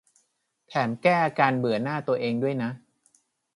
แถมแก้อาการเบื่อหน้าตัวเองด้วยนะ